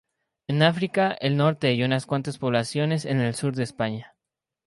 En África del norte y unas cuantas poblaciones en el sur de España.